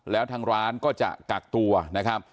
แล้วทางร้านก็จะกักตัวนะครับ